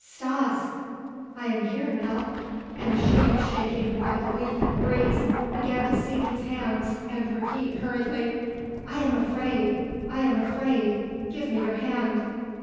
"Stas!" "I am here, Nell." And she, shaking like a leaf in the breeze, began to seek his hands and repeat hurriedly: "I am afraid! I am afraid! Give me your hand!"